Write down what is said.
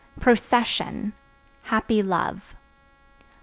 Procession Happy love.